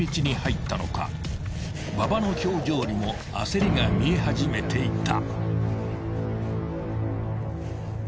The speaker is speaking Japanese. ［馬場の表情にも焦りが見え始めていた］